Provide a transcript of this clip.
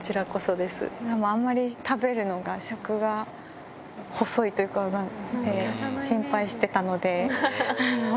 でもあんまり食べるのが、食が細いというか、心配してたので。